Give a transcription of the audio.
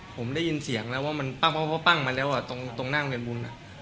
ผมได้ยินเสียงแล้วว่ามันปั้งมาแล้วตรงหน้าโรงเรียนบุญ